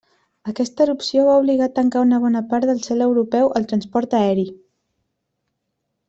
Aquesta erupció va obligar a tancar una bona part de cel europeu al transport aeri.